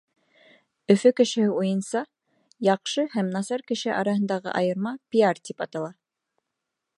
Өфө кешеһе уйынса, яҡшы һәм насар кеше араһындағы айырма пиар тип атала.